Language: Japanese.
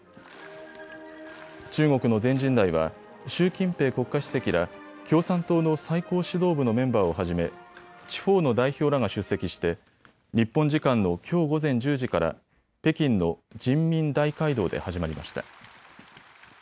中国の全人代は習近平国家主席ら共産党の最高指導部のメンバーをはじめ地方の代表らが出席して日本時間のきょう午前１０時から、北京の人民大会堂で始まりました。